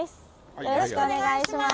よろしくお願いします